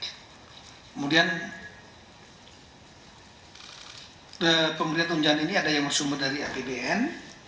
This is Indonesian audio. kemudian pemberian tunjangan ini ada yang bersumber dari apbn